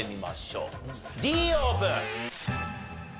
Ｄオープン。